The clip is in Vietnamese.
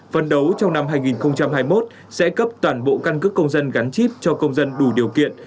phân đấu trong năm hai nghìn hai mươi một sẽ cấp toàn bộ căn cước công dân gắn chip cho công dân đủ điều kiện